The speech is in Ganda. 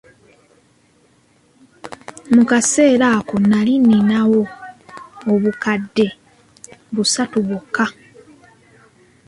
Mu kaseera ako nali ninawo obukadde busatu bwokka.